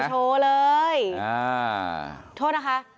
พายโช่เลยโทษนะคะ